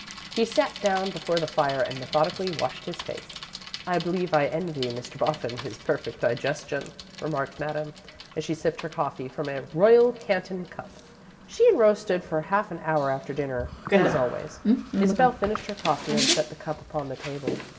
He sat down before the fire and methodically washed his face. "I believe I envy Mr. Boffin his perfect digestion," remarked Madame, as she sipped her coffee from a Royal Canton cup. She and Rose stood for half an hour after dinner, always. Isabel finished her coffee and set the cup upon the table.